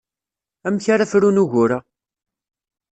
Amek ara frun ugur-a?